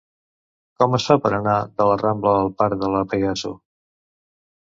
Com es fa per anar del la Rambla al parc de La Pegaso?